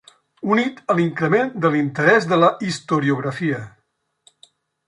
Unit a l'increment de l'interès de la historiografia.